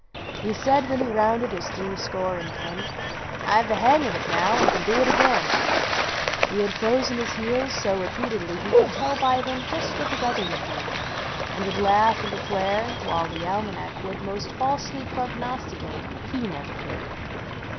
" He said, when he rounded his three score and ten, I ve the hang of it now and can do it again! 160 GRANDFATHER SOt KKRS "He had frozen his heels so repeatedly, he Could tell by them just what the weather would be; "And would laugh and declare, while the Almanac would Most falsely prognosticate, he never could!